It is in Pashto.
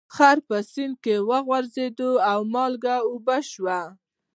خر په سیند کې وغورځید او مالګه اوبه شوه.